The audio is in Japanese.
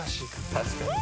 確かに。